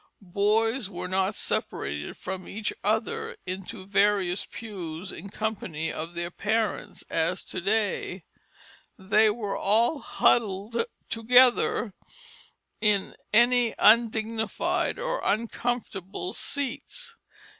Boys were not separated from each other into various pews in the company of their parents as to day; they were all huddled together in any undignified or uncomfortable seats.